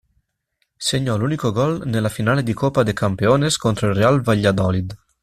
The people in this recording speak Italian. Segnò l'unico gol nella finale di Copa de Campeones contro il Real Valladolid.